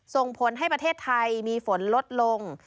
ส่งผลให้ประเทศไทยมีฝนลดลง